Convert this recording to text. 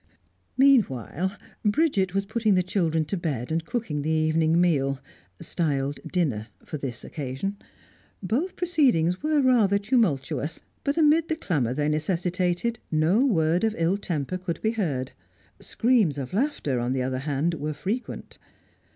Meanwhile, Bridget was putting the children to bed and cooking the evening meal styled dinner for this occasion. Both proceedings were rather tumultuous, but, amid the clamour they necessitated, no word of ill temper could be heard; screams of laughter, on the other hand, were frequent.